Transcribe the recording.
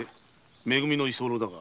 め組の居候だが。